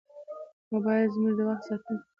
موبایل زموږ د وخت ساتونکی دی.